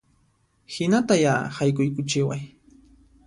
Hinata ya, haykuykuchiway